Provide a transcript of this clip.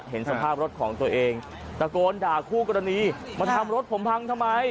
เห็นสภาพรถของตัวเองตะโกนด่าคู่กรณีมาทำรถผมพังทำไม